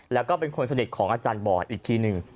แล้วก็เป็นคนสนิทของอาจารย์บอยอีกทีหนึ่ง